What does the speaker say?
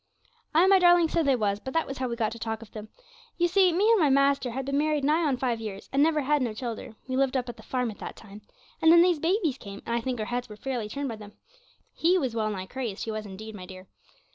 'Ay, my darling, so they was; but that was how we got to talk of them. You see, me and my master had been married nigh on five years, and never had no childer (we lived up at the farm at that time), and then these babies came, and I think our heads were fairly turned by them he was well nigh crazed, he was indeed, my dear.